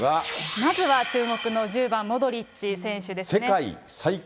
まずは注目の１０番モドリッチ選手ですね。